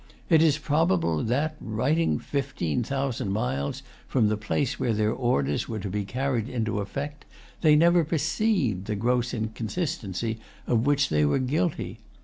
It is probable that, writing fifteen thousand miles from the place where their orders were to be carried into effect, they never perceived the gross inconsistency of which they were guilty.